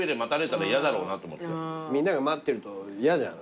みんなが待ってると嫌じゃん。